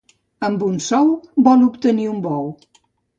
Amb un sou vol obtenir un bou.